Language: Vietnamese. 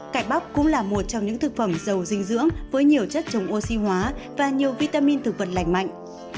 cải bóc cũng là một trong những thực phẩm giàu dinh dưỡng với nhiều chất chống oxy hóa và nhiều vitamin thực vật lành mạnh